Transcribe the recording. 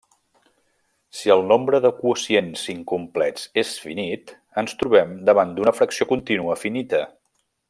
Si el nombre de quocients incomplets és finit, ens trobem davant d'una fracció contínua finita.